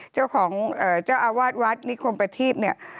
เจ้าของเจ้าอาวาสวัดนิคมประทีพเนี่ย